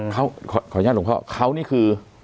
เขาขออนุญาตหลวงพ่อเขานี่คือ